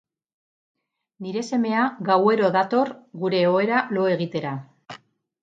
Nire semea gauero dator gure ohera lo egitera.